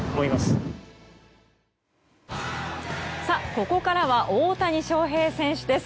ここからは大谷翔平選手です。